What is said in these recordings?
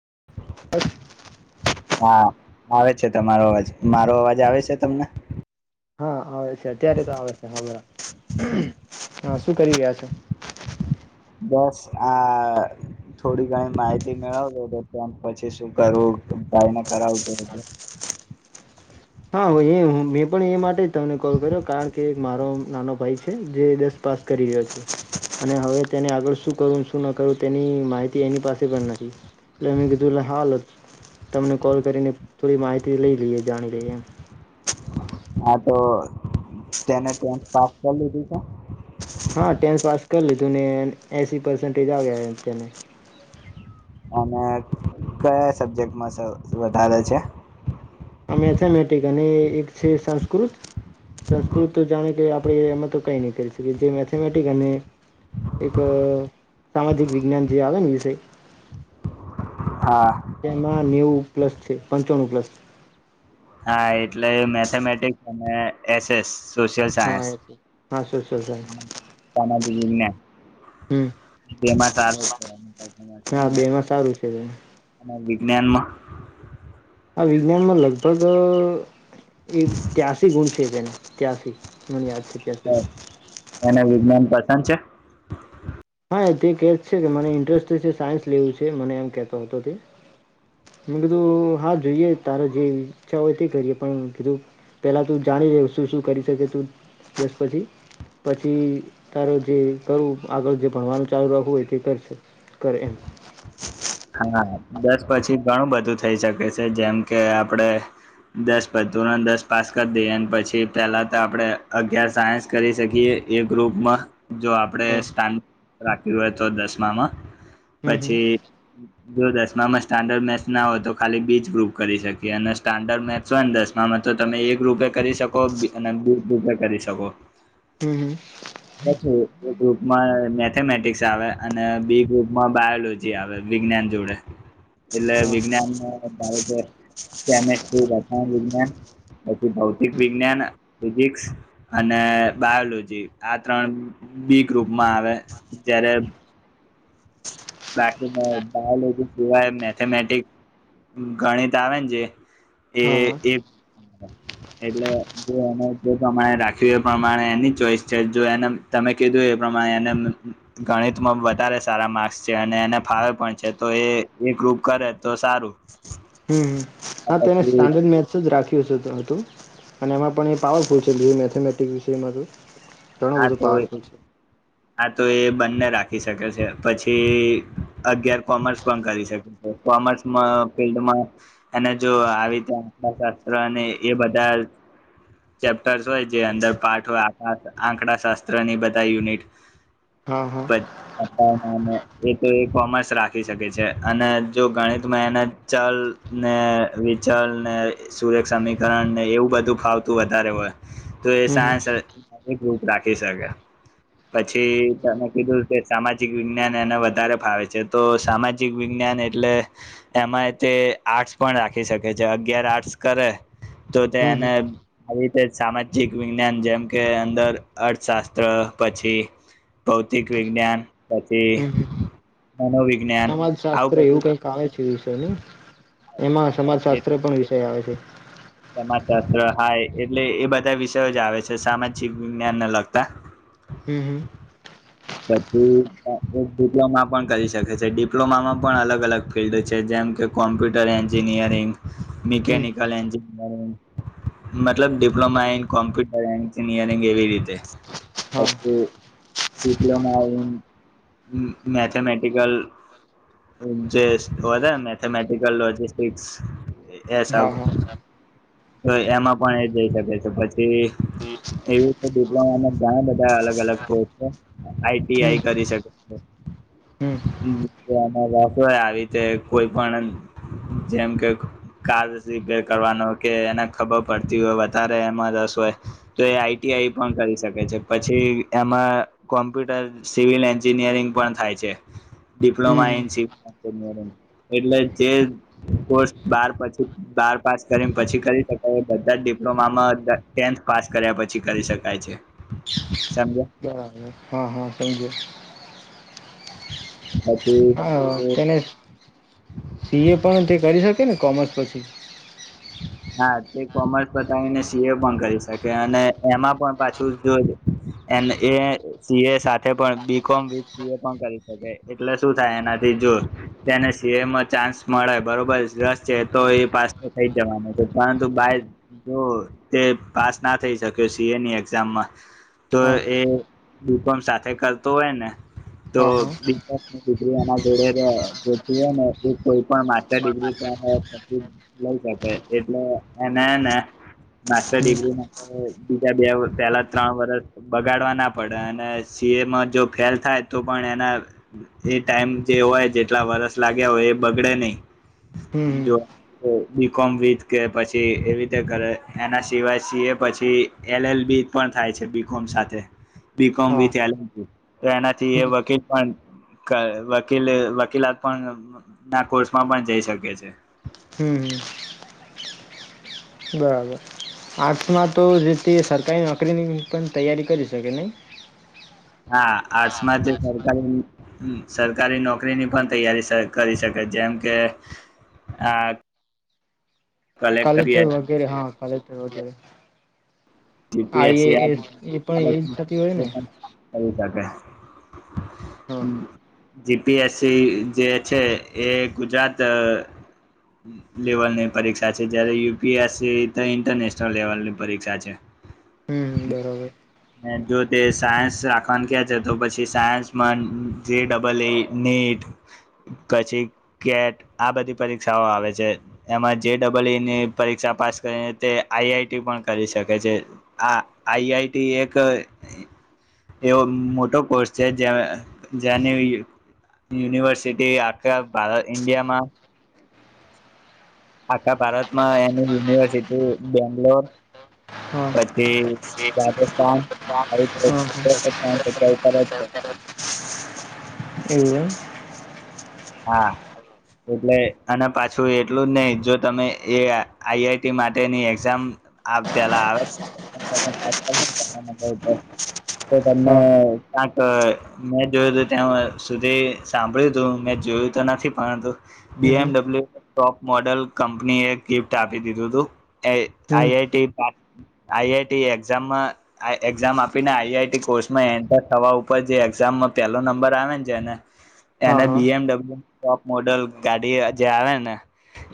[inaudible] હા આવે છે તમારો અવાજ મારો અવાજ આવે છે તમને હા આવે છે અત્યારે તો આવે છે હા બરાબર હા શું કરી ગયા છે બસ આ થોડી ઘણી માહિતી મેળવજો તો ત પછી શું કરવું કાયને કરાવું હા હો એ મેં પણ એ માટે જ તમને કોલ કર્યો કારણ કે એક મારો નાનો ભાઈ છે જે દસ પાસ કરી રહ્યો છે અને હવે તેને આગળ શું કરું શું ન કરવું તેની માહિતી એની પાસે પણ નથી એટલે મેં કીધું એટ હાલ તમને કોલ કરીને થોડી માહિતી લઈ લઈએ જાણી લઈએ એમ હા તો તેને ટેથ પાસ કરી લીધી છે હા ટેન્થ પાસ કરી લીધું ને એસી પસન્ટેજ આવ્યા તેને અને કયા સબ્જેક્ટમાં વધારે છે. આ મેથેમેટિક અને એક છે સંસ્કૃત સંસ્કૃત જાણે કે આપણે એમાં તો કઈ નઈ કરી શકીએ. જે મેથેમેટિક અને એક સામાજિક વિજ્ઞાન જે આવે વિષય હા. હ નેવું પ્લસ છે. પંચાણું પ્લસ આ એટલે મેથેમેટિક્સ અને એસ એસ. સોશિયલ હા સાયન્સ એ હા સોશિયલ સાયન્સ સામાજિક વિજ્ઞાન હમ તેમાં સારું છે. હા બેમાં સારું છે બેન મ્યાનમા આ વિજ્ઞાનમાં લગભગ એક ત્યાસી ગુણ છે. જેને ત્યાસી મને છે હ ત્યાસી અને વિજ્ઞાન પાછ સાચે. હા એ તે કહે છે કે મને ઇન્ટરેસ્ટ ત છે સાયન્સ લેવું છે મને એમ કહેતો હતો તે. મેં કીધું હા જોઈએ તાર જે ઈચ્છા હોય તે કરીએ પણ કીધું પહેલાં તું જાણી લે શું શું કરી શકે તું દસ [unintelligible] તારો જે કરું આગળ જે ભણવાનું ચાલુ રાખવું હોય તે કરશે કરે એમ. હા દસ પછી ઘણું બધું થઈ શકે છે. જેમ કે આપડે દસ બધું દસ પાસ જો આપડે હા સ્ટ રાખયુ હોય તો દસમામાં હમ હમ પછી જો દસમામાં સ્ટાન્ડર્ડ મેસ ના હોય તો ખાલી બી જ ગ્રુપ કરી શકીએ અને સ્ટાન્ડર્ડ મેથસ હોય ને દસમામાં તો તમે એક ગ્રુપે કરી શકો અને બી ગ્રુપ કરી શકો હમ હમ એક ગ્રુપમાં મેથેમેટિક્સ આવે અને બી ગ્રુપમાં બાયોલોજી આવે વિજ્ઞાન એવડે. એટલે હા વિજ્ઞાન કેમેસ્ટ્રી [unintelligible] વિજ્ઞાન પછી ભૌતિક વિજ્ઞાન ફિજિક્સ અને બાયોલોજી આ ત્રણ બી ગ્રુપમાં આવે. ત્યારે બાકી બાયોલોજી સિવાય મેથેમેટિક ગણિત આવેને જે એ હા એટલે એને જે પ્રમાણે રાખ્યું એ પ્રમાણે એની ચોઈસ છે એનમ તમે કીધું એ પ્રમાણે એને ગણિતમાં વધારે સારા માર્ક્સ છે અને એને ફાવે પણ છે તો એ એગ્રુપ કરે તો સારું. હમ હા તેને પછી સ્ટાન્ડર્ડ મેચસ જ રાખી હતું. અને એમાં પણ એ પાવરફુલ છે બી મેથેમેટિક્સ વિષયમાં તો ઘણો હા બધો તોઈ પાવરફુલ છે હા તો એ બંને રાખી શકે છે. પછી અગિયાર કોમર્સ પણ કરી શકે છે. કોમર્સમાં ફિલ્ડમાં એને જો આવીજા અર્થશાસ્ત્ર અને એ બધાં ચેપ્ટર્સ હોય જે અંદર પાઠ હોય આ આંકડા શાસ્ત્ર ની બધા યુનિટ હા હા એ તો કોમર્સ રાખી શકે છે. અને જો ગણિતમાં એના ચલ ને વિચલ ને સુરેખ સમીકરણ ને એવું બધું ફાવતું તું વધારે હોય. તો હમ હમ એસા [unintelligible] એક રૂપ રાખી શકે. પછી તને કીધું કે સામાજિક વિજ્ઞાન એને વધારે ફાવે છે તો સામાજિક વિજ્ઞાન એટલે એમાં તે આર્ટસ પણ રાખી શકે છે. અગિયાર આર્ટસ કરે તો તે હમ હમ એને આવી રીતે સામાજિક વિજ્ઞાન જેમ કે અંદર અર્થશાસ્ત્ર પછી ભૌતિક વિજ્ઞાન પછી હમ મનોવિજ્ઞાન સમાજ શાસ્ત્ર આવું એવું બધું કઈક આવે છે તેની એમાં સમાજ શાસ્ત્ર પણ વિષય આવે છે મા તત્ર હાય એટલે એ બધા વિષયો જ આવે છે સામાજિક વિજ્ઞાન ને લગતા હમ પછી એક ડિપ્લોમા પણ કરી શકે છે. ડિપ્લોમામાં પણ અલગ અલગ ફિલ્ડ છે. જેમ કે કોમ્પ્યુટર એન્જિનિયરિંગ હમ મિકનિકલ એન્ મતલબ ડિપ્લોમા ઇન કોમ્પ્યુટર એડન્જનિયરિંગ એવી રીતે હા ડિપ્લોમા મેથેમેટિકલ જે હતાને મેથેમેટિકલ લોજિસ્ટિક્સ. એ સબ હા હા તો એમાં પણ એ જઈ શકે છે પછી એવી રીતે ડિપ્લોમા ઘણા બધા અલગ અલગ કોર્સ છે હમ આઈટીઆઈ કરી શકે હમ છે આવી રીતે કોઈ પણ જેમ કે કાર રિપેર કરવાનો કે એને ખબર પડતી હોય વધારે એમાં રસ હોય તો એ આઈટીઆઈ પણ કરી શકે છે પછી એમાં કોમ્પ્યુટર સિવિલ એન્જિનિયરિંગ પણ થાય છે diploma hmm in civil engineering એટલે જે કોર્સ બ પછી બાર પાસ કરીને પછી કરી શકાય બધા જ ડિપ્લોમામાં ટેન્થ પાસ કર્યા પછી કરી શકાય છે સમજો બરાબર હા હા થેન્ક યુ હા, પછી તેને સી એ પણ તે કરી શકે. કે ને કોમર્સ પછી. હા તે કોમર્સ બતાવીને સી એ પણ કરી શકે અને એમાં પણ પાછું જો એ એ સીએ સાથે પણ B com with C A પણ કરી શકે એટલે શું થાય એનાથી જો તેને સીએમાં ચાન્સ મળે બરોબર રસ છે તો એ પાસે થઈ જવાનું પરંતુ બ જો તે પાસ ના થઈ શક્યો સી એ ની એક્ઝામમાં તો હા એ બીકોમ સાથે કરતો હોય ને હા હા તો્રીના જોડે હોય ને કોઈ પણર્રી લઈ શકે એટલે એને ને માસ્ટર હમ ડિગ્રી માટે બીજા બે પેલા ત્રણ વરસ બગાડવા ના પડે અને સી એમાં જો ફેલ થાય તો પણ એના એ ટાઈમ જે હોય જેટલા વરસ લાગ્યા હોય એ બગડે નહી હમ હમ બી કોમ વિથ કે પછી એવી રીતે કરે એના સિવાય સી એ પછી એલ એલ બી પણ થાય છે બીકોમ સાથે બીકોમ હા વિથ એલલ તો એનાથી એ વકીલ પણ વકીલ વકીલાત પણ ના કોર્સમાં પણ જઈ શકે છે હમ બરાબર આર્ટ્સમાં તો જેતે સરકારી નોકરીની પણ તૈયારી કરી શકે નહી હા આર્ટ્સમાં જે સરકારી સરકારી નોકરીની પણ તૈયારી કરી શકે જેમ કે આ કલેક્ટર કલેચર વગેરે હા ફરેટ વગરે સીપીએસ કરી એજ થતી હોય ને શકે હા હમ જીપીએસસી જે છે એ ગુજરાત લેવલની પરીક્ષા છે જયારે યુપીએસસી તો ઈન્ટરનેશનલ લેવલની પરીક્ષા છે હમ જો તે સાયન્સ રાખવાનું કે છે તો પછી સાયન્સમાં જે ડબલ ઈ નીટ પછી કેટ આ બધી પરીક્ષાઓ આવે છે એમાં જે ડબલ ઈ ની પરીક્ષા પાસ કરીને તે આઈઆઈટી પણ કરી શકે છે આ આઈઆઈ એક એવો મોટો કોર્સ છે જેની યુનિવર્સિટી આખા ભારત ઇન્ડિયામાં આખા ભારતમાં એની યુનિવર્સિટી બેંગ્લોર હા પછી રાજસ્થાન અરે હા હા ઉપ એયા હા એટલે અને પાછું એટલું જ નહિ જો તમે એ આઈઆઈટી માટેની એક્ઝામ તલા આવે તો તમને હા ક્યાક મેં જોયું તું ત્યાં સુધી સાંભળ્યું તું મે જોયું તો નથી પણું હમ હમ બીએમડબલ્યુ ટોપ મોડલ કંપનીએ એક ગિફ્ટ આપી દીધું હતું એ હમ આઈઆઈટી આઈઆઈટી એક્ઝામમાં એક્ઝામ આપીને આઈઆઈટી કોર્સમાં એન્ટર થવા ઉપર જે એક્ઝામમાં પહેલો નંબર આવે ને છે ને હા એને હા બીએમડબલ્ય ટોપ મોડલ ગાડી જે આવે ને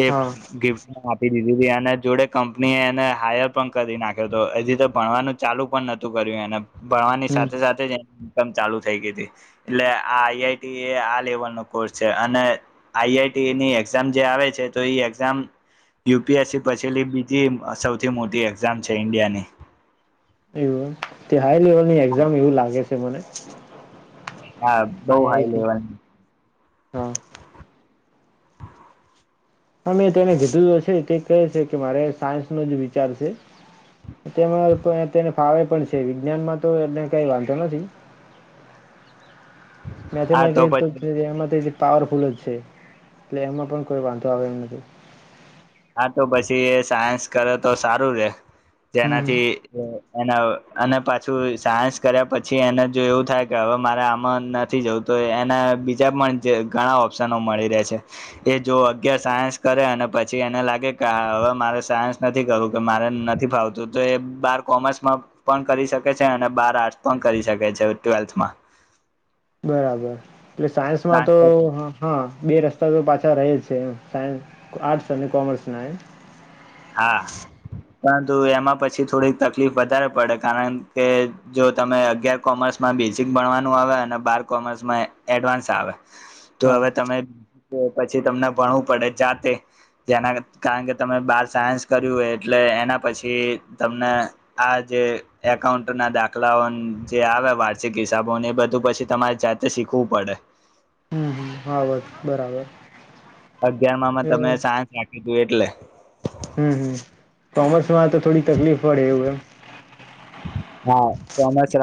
એ હા ગિફ્ટ આપી દીધું અને જોડે કંપની એને હાયર પણ કરી નાખ્યો હતો એ રતે ભણવાનું ચાલુ પણ નતું કર્યું એને ભણવાની હમ સાથે સાથે જ ઇન્કમ ચાલુ થઈ ગઈ હતી એટલે આ આઈઆઈટી એ આ લેવલ ન કોર્સ છે અને આઈઆઈટીની એક્ઝામ જે આવે છે તો એ એક્ઝામ યુપીએસસી પછીલી બીજી સૌથી મોટી એક્ઝામ છે ઈન્ડિયાની તે્યાાર હાઈ લેવલની એક્ઝામવું લાગે છે તે મને હા બઉ હાઈ આઈઆઈટી લેવલ [inaudible] હ મેં તેને કીધું છે તે કહે છે કે મારે સાયન્સનોો જ વિચાર છે તેમાં તેને ફાવે પણ છે વિજ્ઞાનમાં તો એને કઈ વાંધો નથી મેથે હા તો પછી મેથેલ એ પાવરફૂલ જ છે એટલે એમાં પણ કોઈ વાંધો આવે એમ નથી. હા તો પછી એ સાયન્સ કરે તો સારું રે હમ જેનાથી એના અને પાછું સાયન્સ કર્યા પછી એને જો એવું થાય કે હવે મારે આમાં નથી જવું તો એના બીજા પણ ઘણા ઓપ્શનો મળી રહે છે એ જો અગિયાર સાયન્સ કરે અને પછી. પછી એને લાગે કે હવે મારે સાયન્સ નથી કરવું કે મારે નથી ફાવતું તો એ બાર કોમર્સમાં પણ કરી શકે છે અને બાર આર્ટસ પણ કરી શકે છે ટ્વેલ્થમાં. બરાબર. એટલે સાયન્સમાં તો ટ્રાન્સફર હા. બે રસ્તા તો પાછા રહે જ છે એ સાયન્સ આર્ટ્સ અને કોમર્સના એમ. હા. પરંતુ એમાં પછી થોડીક તકલીફ વધારે પડે કારણ કે જો તમે અગિયાર કોમર્સમાં બેઝિક ભણવાનું આવે અને બાર કોમર્સમાં એડવાન્સ આવે. તો હા હવે તમે. પછી તમને ભણવું પડે જાતે જેના કારણ કે તમે બાર. સાયન્સ કર્યું હોય એટલે એના પછી તમને આ જે એકાઉન્ટ ના દાખલાઓ જે આવે વાર્ષિક હિસાબો એ બધું પછી તમારે જાતે શીખવું પડે. હમ હા બ બરાબર. અગિયાર માંમાં તમે એ સાયન્સ રાખી. [inaudible] હમ હમ કોમર્સમાં તો થોડી તકલીફ પડે એવું એમ. હા કોમર્સ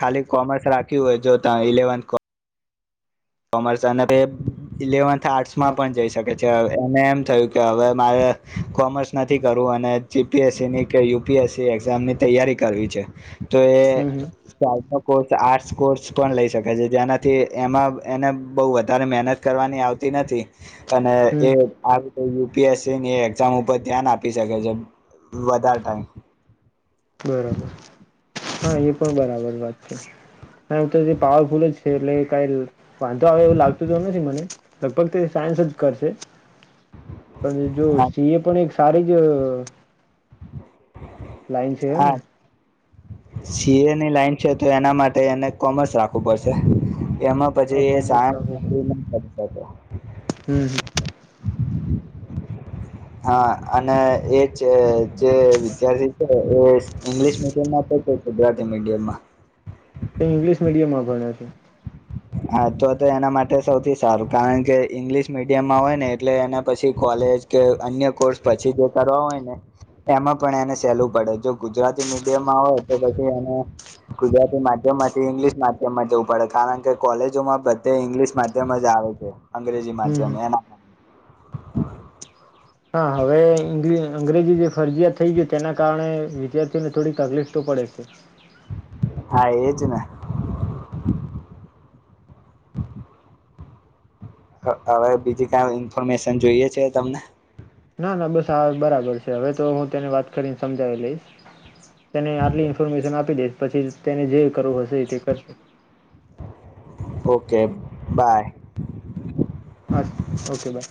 ખાલી કોમર્સ રાખ્યું હોય જો ત ઇલેવન. કોમરસનબેબ ઇલેવનથ. આર્ટસ હા માં પણ જઈ શકે છે. એને એમ થયું કે હવે મારે કોમર્સ નથી કરવું અને જીપીએસસી ની કે યુપીએસસી એક્ઝામ ની તૈયારી કરવી છે. તો એ હમ હમ સ્ટાર્ટઅપ. કોર્સ આર્ટસ કોર્સ પણ લઈ શકે છે જે્યાનાથી એમાં. એને બહુ વધારે મહેનત કરવાની આવતી નથી. અને એ. હમ યુપીએસસી ની એક્ઝામ ઉપર ધ્યાન આપી શકે છે વધારે ટાઈમ. બરાબર હા એ પણ બરાબર વાત છે હ એું તો પાવરફુલ જ છે એટલે કઈ વાંધો આવે એવું લાગતું તો નથી મને લગભગ તો સાયન્સ જ કરશે. પણ જો સિં એ પણ એક. સારી જ. લાઈન છે એને. સી એ ની લાઈન છે તો એના માટે એને કોમર્સ રાખવું પડશે. એમાં પછી કોમર્સ સાયસ રાખવું પડે હતો હમ હમ હા અને એજ જે વિદ્યાર્થી છે એ ઇંગ્લિશ મીડિયમ માં તો ગુજરાતી મીડિયમમાં. તે ઇંગ્લિશ મીડિયમમાં ભણ્યા છે. હા તો તો એના માટે સૌથી સારું કારણ કે ઈંગ્લિશ મીડિયમમાં હોય ને એટલે એને પછી કોલેજ કે અન્ય કોર્સ પછી જે કરવા હોય ને એમાં પણ એને સહેલું પડે જો ગુજરાતી મીડિયમમાં હોય તો પછી એને ગુજરાતી માધ્યમમાંથી ઈંગ્લિશ માધ્યમમાં જવું પડે કારણ કે કોલેજો માં બધે ઇંગ્લિશ માધ્યમ જ આવે છે. અંગ્રેજી હમ માધ્યમ હમ એ. હા હવે અંગ્રેજી જે ફરજીયાત થઈ ગય તેના કારણે વિદ્યાર્થીઓને થોડી તકલીફ તો પડે છે. હા એજ ને. હવે બીજી કઈ ઇન્ફોર્મેશન જોઈએ છે તમને. ના ના બસ આ બરાબર છે હવે તો હું તેની વાત કરીને સમજાવી લઈશ. તેને આટલી ઇન્ફોર્મેશન આપી દેશ પછી તેને જે કરવું હશે તે કરશે. Okay bye. A okay by.